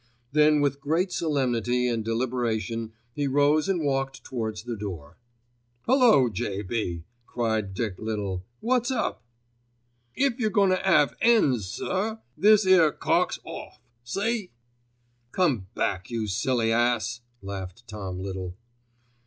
Then with great solemnity and deliberation he rose and walked towards the door. "Hullo! J.B.," cried Dick Little. "What's up?" "If you're goin' to 'ave 'ens, sir, this 'ere cock's off, see?" "Come back, you silly ass," laughed Tom Little.